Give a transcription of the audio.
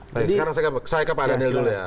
baik sekarang saya ke pak daniel dulu ya